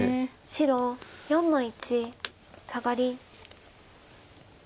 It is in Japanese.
白４の一サガリ。